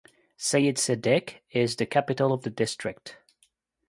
Seyid Sadiq is the capital of the district.